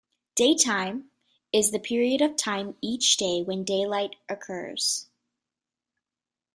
"Daytime" is the period of time each day when daylight occurs.